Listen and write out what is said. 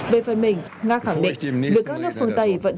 về phần mình nga khẳng định